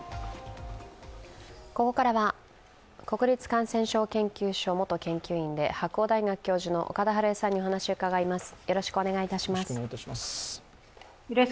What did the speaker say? ここからは国立感染症研究所元研究員で白鴎大学教授の岡田晴恵さんにお話を伺います。